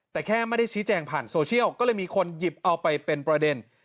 แต่แค่ไม่ได้ชี้แจงผ่านโซเชียลก็เลยมีคนหยิบเอาไปเป็นประเด็น